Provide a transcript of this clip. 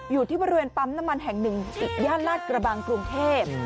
อยู่ที่บริเวณปั๊มน้ำมันแห่งหนึ่งย่านลาดกระบังกรุงเทพ